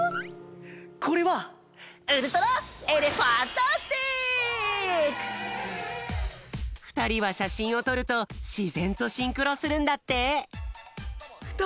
これはふたりはしゃしんをとるとしぜんとシンクロするんだって。